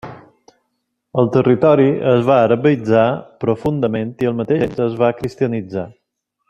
El territori es va arabitzar profundament i al mateix temps es va cristianitzar.